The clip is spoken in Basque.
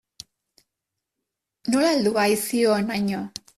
Nola heldu haiz hi honaino?